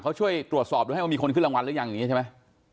เขาช่วยตรวจสอบดูให้ว่ามีคนขึ้นรางวัลหรือยังอย่างนี้ใช่ไหม